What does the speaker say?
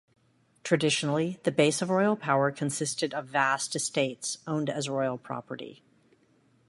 Traditionally, the base of royal power consisted of vast estates owned as royal property.